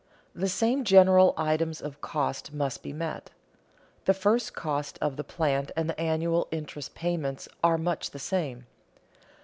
The same general items of cost must be met. The first cost of the plant and the annual interest payments are much the same.